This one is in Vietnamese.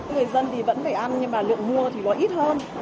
người dân thì vẫn phải ăn nhưng mà lượng mua thì có ít hơn